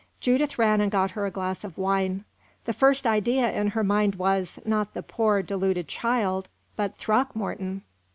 Judith ran and got her a glass of wine. The first idea in her mind was, not the poor, deluded child, but Throckmorton.